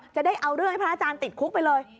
จะได้เอาเรื่องให้พระอาจารย์ติดคุกไปเลย